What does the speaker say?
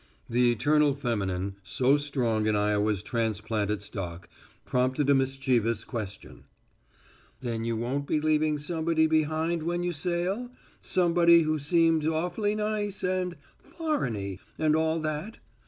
The eternal feminine, so strong in Iowa's transplanted stock, prompted a mischievous question: "Then you won't be leaving somebody behind when you sail somebody who seemed awfully nice and foreigny and all that?